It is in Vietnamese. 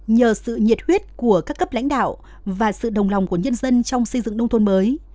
nhờ sự nhiệt huyết của các cấp lãnh đạo và sự đồng lòng của nhân dân trong xây dựng nông thôn mới